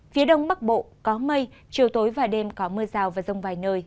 phía đông bắc bộ có mây chiều tối và đêm có mưa rào và rông vài nơi